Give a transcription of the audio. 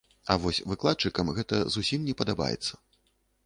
А вось выкладчыкам гэта зусім не падабаецца.